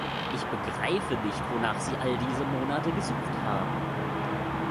Ich begreife nicht, wonach Sie all diese Monate gesucht haben.